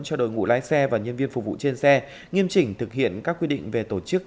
cho đội ngũ lái xe và nhân viên phục vụ trên xe nghiêm chỉnh thực hiện các quy định về tổ chức